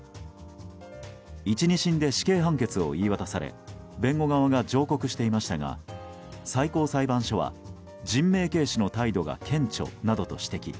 １、２審で死刑判決を言い渡され弁護側が上告していましたが最高裁判所は、人命軽視の態度が顕著などと指摘。